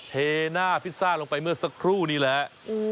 เทหน้าพิซซ่าลงไปเมื่อสักครู่นี่แหละ